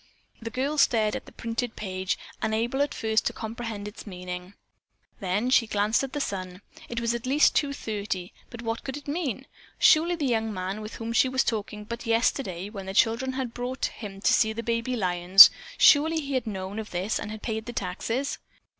The girl stared at the printed page, unable at first to comprehend its meaning. Then she glanced at the sun. It was at least two thirty. But what could it mean? Surely the young man with whom she was talking but yesterday, when the children had brought him to see the baby lions, surely he had known of this and had paid the taxes.